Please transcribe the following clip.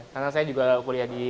karena saya juga kuliah di